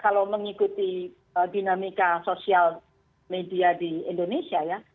kalau mengikuti dinamika sosial media di indonesia ya